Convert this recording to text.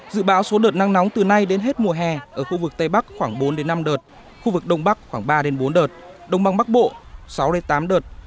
dự báo số đợt nắng nóng từ nay đến hết mùa hè ở khu vực tây bắc khoảng bốn năm đợt khu vực đông bắc khoảng ba bốn đợt đông băng bắc bộ sáu đến tám đợt